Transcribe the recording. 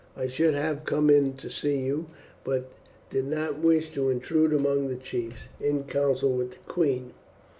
I should have come in to see you, but did not wish to intrude among the chiefs in council with the queen.